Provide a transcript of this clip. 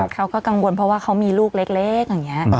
เขาก็กังวลเพราะว่าเขามีลูกเล็กอย่างนี้